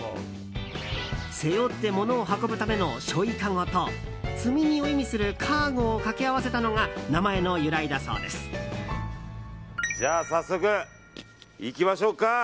背負って、物を運ぶための「背負いかご」と積み荷を意味する「カーゴ」を掛け合わせたのが早速、いきましょうか。